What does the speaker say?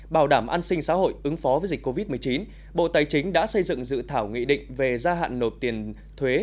bảo đảm an sinh xã hội ứng phó với dịch covid một mươi chín bộ tài chính đã xây dựng dự thảo nghị định về gia hạn nộp tiền thuế